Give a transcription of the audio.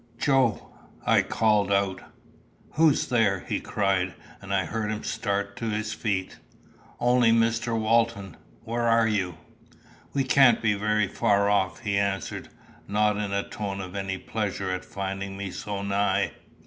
"Joe!" I called out. "Who's there?" he cried; and I heard him start to his feet. "Only Mr. Walton. Where are you?" "We can't be very far off," he answered, not in a tone of any pleasure at finding me so nigh.